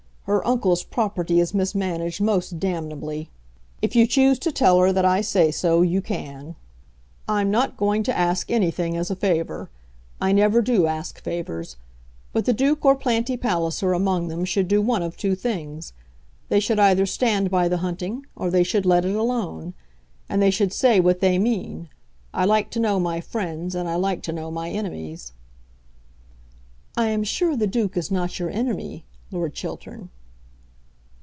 Her uncle's property is mismanaged most damnably. If you choose to tell her that I say so you can. I'm not going to ask anything as a favour. I never do ask favours. But the Duke or Planty Palliser among them should do one of two things. They should either stand by the hunting, or they should let it alone; and they should say what they mean. I like to know my friends, and I like to know my enemies." "I am sure the Duke is not your enemy, Lord Chiltern."